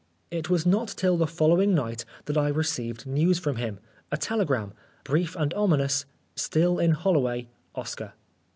It was jiot till the following night that I 149 Oscar Wilde received news from him a telegram brief and ominous, "Still in Holloway. Oscar."